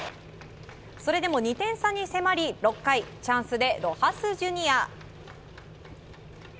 それでも２点差に迫り６回チャンスでロハス・ジュニア。